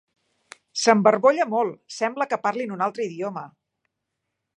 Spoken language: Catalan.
S'embarbolla molt: sembla que parli en un altre idioma!